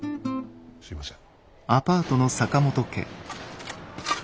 すいません。